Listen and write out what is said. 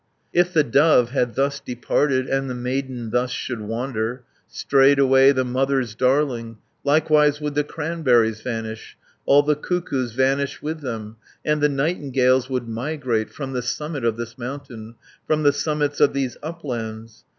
"If the dove had thus departed, And the maiden thus should wander, Strayed away the mother's darling, Likewise would the cranberries vanish, 450 All the cuckoos vanish with them, And the nightingales would migrate, From the summit of this mountain, From the summits of these uplands.